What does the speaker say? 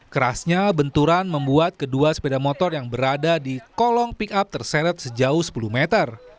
kerasnya benturan membuat kedua sepeda motor yang berada di kolong pick up terseret sejauh sepuluh meter